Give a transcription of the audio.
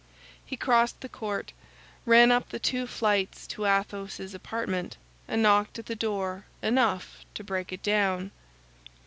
He crossed the court, ran up the two flights to Athos's apartment, and knocked at the door enough to break it down.